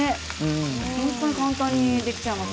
本当に簡単にできちゃいます。